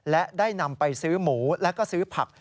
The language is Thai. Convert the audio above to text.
และได้นำไปซื้อหมูแล้วก็ซื้อผัก